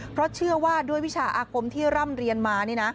เพราะเชื่อว่าด้วยวิชาอาคมที่ร่ำเรียนมา